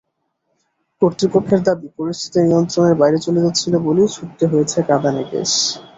কর্তৃপক্ষের দাবি, পরিস্থিতি নিয়ন্ত্রণের বাইরে চলে যাচ্ছিল বলেই ছুড়তে হয়েছে কাঁদানে গ্যাস।